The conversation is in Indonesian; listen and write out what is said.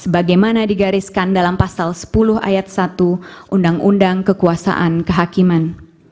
sebagaimana digariskan dalam pasal sepuluh ayat satu undang undang kekuasaan kehakiman